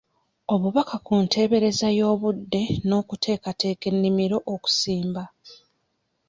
Obubaka ku nteebereza y'obudde n'okuteeketeeka ennimiro okusimba.